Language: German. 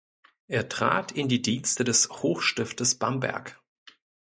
Er trat in die Dienste des Hochstiftes Bamberg.